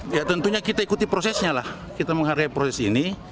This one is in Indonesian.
ya tentunya kita ikuti prosesnya lah kita menghargai proses ini